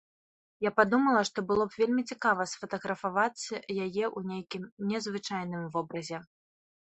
Я падумала, што было б вельмі цікава сфатаграфаваць яе ў нейкім незвычайным вобразе.